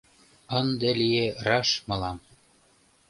Ынде лие раш мылам: